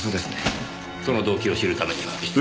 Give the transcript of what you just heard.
その動機を知るためには失礼。